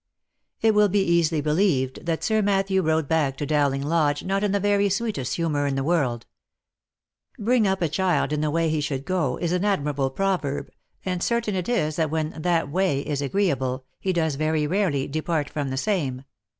It will be easily believed that Sir Matthew rode back to Dowling Lodge not in the very sweetest humour in the world. " Bring up a child in the way he should go," is an admirable proverb, and certain it is that when that " way" is agreeable, he does very rarely " depart from the same."